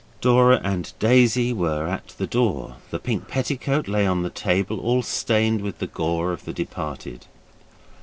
Dora and Daisy were at the door. The pink petticoat lay on the table, all stained with the gore of the departed.